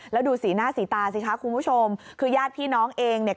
แล้วดูสีหน้าสีตาสิคะคุณผู้ชมคือญาติพี่น้องเองเนี่ย